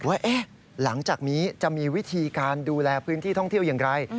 ว่าหลังจากนี้จะมีวิธีการดูแลพื้นที่ท่องเที่ยวอย่างไร